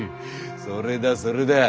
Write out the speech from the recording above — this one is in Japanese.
それだそれだ。